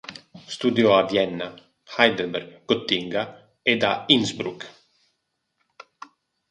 Studiò a Vienna, Heidelberg, Gottinga ed a Innsbruck.